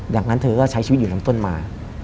อย่างนั้นเธอก็ใช้ชีวิตอยู่ลำต้นมา